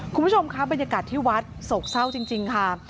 คุณผู้ชมครับบรรยากาศที่วัดโศกเศร้าจริงค่ะ